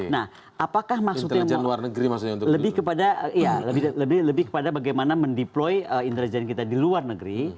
nah apakah maksudnya lebih kepada bagaimana mendeploy intelijen kita di luar negeri